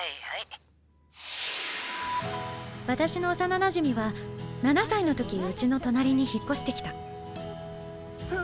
私の幼なじみは７歳の時うちの隣に引っ越してきたフン！